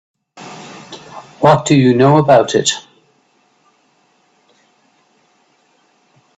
What do you know about it?